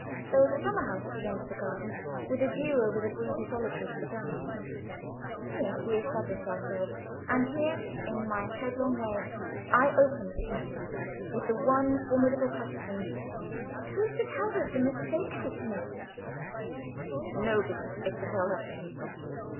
There was a summer house at the end of the garden with a view over the breezy solitude of the Downs. Here we established ourselves; and here, in my headlong way, I opened the interview with the one formidable question: "Who is to tell her of the mistake she has made?" "Nobody is to tell her."